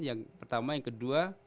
yang pertama yang kedua